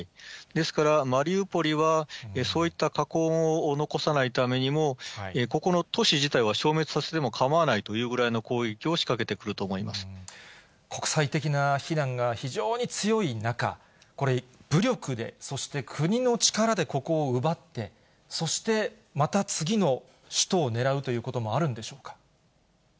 ですから、マリウポリは、そういった禍根を残さないためにも、ここの都市自体は消滅させても構わないというぐらいの攻撃を仕掛国際的な非難が非常に強い中、これ、武力で、そして国の力でここを奪って、そしてまた次の主都を狙うということもあるんでしょうか。